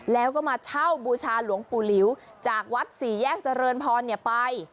แล้วก็มาเช่าบูชาหลวงปู่หลิวจากวัดสี่แยกเจริญพรไป